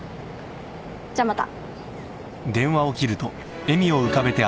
じゃあまた。